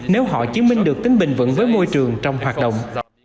nếu họ chứng minh được tính bình vững với môi trường trong hoạt động